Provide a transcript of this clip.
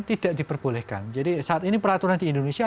tidak diperbolehkan jadi saat ini peraturan di indonesia